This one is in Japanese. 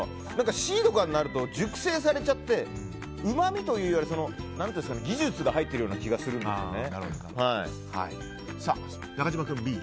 Ｃとかになると熟成されちゃってうまみというより技術が入っているような気が中島君、Ｂ。